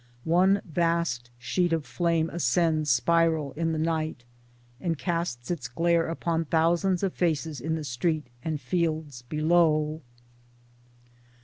One vast sheet of flame ascends spiral in the night, and casts its glare upon thousands of faces in the street and fields below.